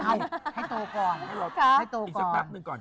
ให้ตัวก่อนให้ตัวก่อน